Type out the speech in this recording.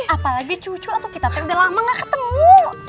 apalagi cucu atau kita udah lama ga ketemu